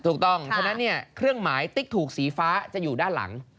ถูกต้องฉะนั้นเนี่ยเครื่องหมายติ๊กถูกสีฟ้าจะอยู่ด้านหลัง